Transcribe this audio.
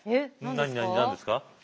何何何ですか。